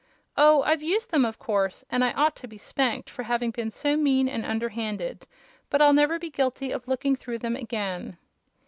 Oh, I've used them, of course, and I ought to be spanked for having been so mean and underhanded; but I'll never be guilty of looking through them again."